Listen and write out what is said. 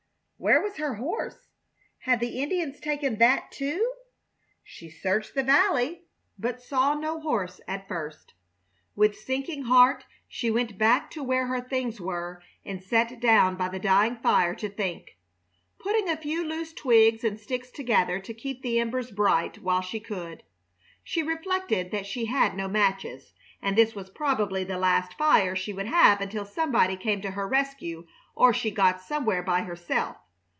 Where was her horse? Had the Indians taken that, too? She searched the valley, but saw no horse at first. With sinking heart she went back to where her things were and sat down by the dying fire to think, putting a few loose twigs and sticks together to keep the embers bright while she could. She reflected that she had no matches, and this was probably the last fire she would have until somebody came to her rescue or she got somewhere by herself.